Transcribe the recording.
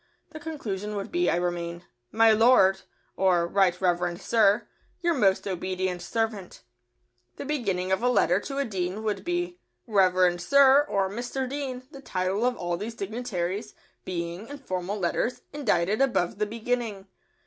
The conclusion would be, I remain, "My Lord" (or "Right Reverend Sir") "Your most obedient servant." [Sidenote: A dean.] The beginning of a letter to a dean would be, "Reverend Sir" or "Mr. Dean," the title of all these dignitaries being, in formal letters, indited above the beginning.